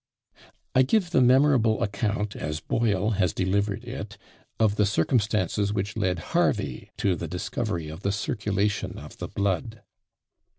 I give the memorable account, as Boyle has delivered it, of the circumstances which led Harvey to the discovery of the circulation of the blood.